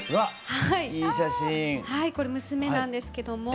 はいこれ娘なんですけども。